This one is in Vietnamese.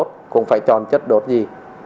chúng ta cũng phải chọn chất đốt gì